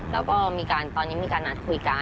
แล้วก็มีการตอนนี้มีการนัดคุยกัน